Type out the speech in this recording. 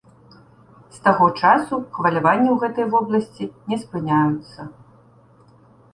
З таго часу хваляванні ў гэтай вобласці не спыняюцца.